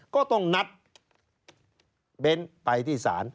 ก็ต้องนัดเบ้นไปที่ศาล